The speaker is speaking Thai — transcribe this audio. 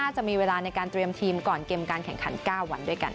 จะมีเวลาในการเตรียมทีมก่อนเกมการแข่งขัน๙วันด้วยกัน